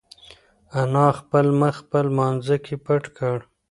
انا خپل مخ په لمانځه کې پټ کړ.